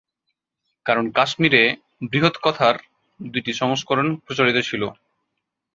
কারণ কাশ্মীরে "বৃহৎকথা"র দুটি সংস্করণ প্রচলিত ছিল।